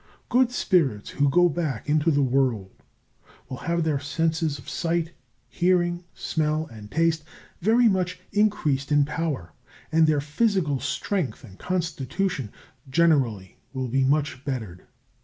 Good spirits who go back into the world will have their senses of sight, hearing, smell, and taste very much increased in power, and their physical strength and constitution generally will be much bettered.